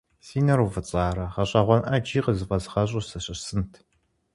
Си нэр уфӏыцӏарэ гъэщӏэгъуэн ӏэджи къызыфӏэзгъэщӏу сыщысынт.